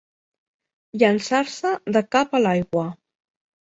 Llançar-se de cap a l'aigua.